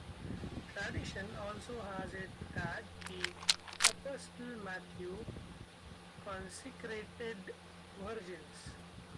Tradition also has it that the Apostle Matthew consecrated virgins.